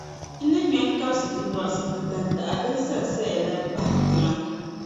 n ni ŋme n-kabisi di lɔrisi ni tandaɣa din sansaya la bahi tiŋa.